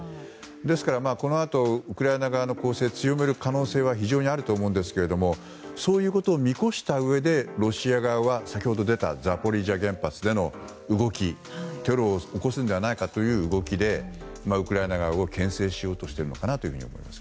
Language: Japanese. ですから、このあとウクライナ側の攻勢を強める可能性は非常にあると思いますがそういうことを見越したうえでロシア側は先ほど出たザポリージャ原発での動きテロを起こすのではないかという動きでウクライナ側を牽制しようとしているのかなと思います。